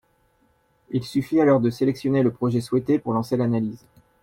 Il suffit alors de sélectionner le projet souhaité pour lancer l’analyse